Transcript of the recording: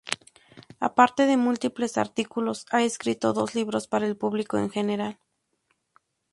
Aparte de múltiples artículos, ha escrito dos libros para el público en general.